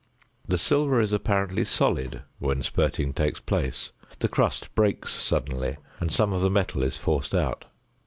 The silver is apparently solid when spirting takes place; the crust breaks suddenly and some of the metal is forced out.